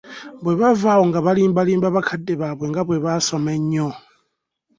Bwe bava awo nga balimbalimba bakadde baabwe nga bwe basoma ennyo